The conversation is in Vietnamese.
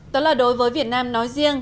đó là đối với việt nam nói riêng